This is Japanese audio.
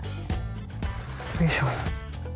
よいしょ。